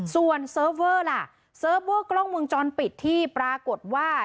ส่วนเซิร์ฟเวอร์ล่ะเซิร์ฟเวอร์กล้องวงจรปิดที่ปรากฏว่า